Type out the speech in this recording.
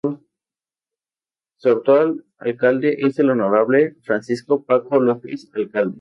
Su actual alcalde es el honorable:Francisco Paco Lopez alcalde